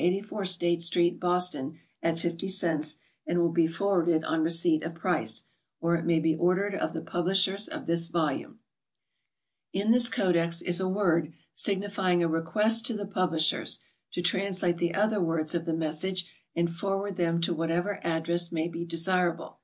O. Houghton 8 z Co., General Shipping Agents, 115 State St., Boston, at 25 and 50 cents, and will be forwarded by them on receipt of price; or it may be ordered of the publishers of this volume. In this Codex is a word signifying a requesit to the pub lishers to translate the other words of the message and for ward them to whatever address may be desirable.